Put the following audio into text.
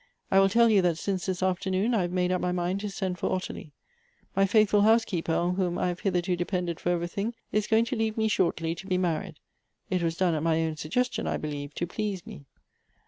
I will tell you, that since this afternoon I have made up my mind to send for Ottilie. My faithful housekeeper, on whom I have hitherto depended for everything, is going to leave me shortly, to be married. (It was done at my own suggestion, I believe, to please mc.)